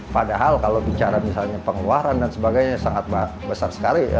padahal kalau bicara misalnya pengeluaran dan sebagainya sangat besar sekali